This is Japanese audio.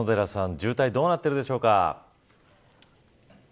渋滞どうなっているでしょうか。